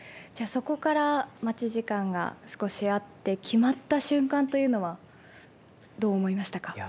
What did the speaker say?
そこから待ち時間が少しあって決まった瞬間というのはどう思いましたか？